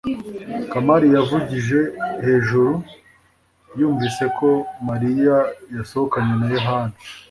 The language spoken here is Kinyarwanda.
kamali yavugije hejuru yumvise ko mariya yasohokanye na yohana